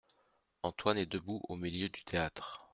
Antoine est debout au milieu du théâtre.